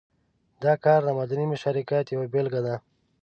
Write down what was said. دا کار د مدني مشارکت یوه بېلګه ده.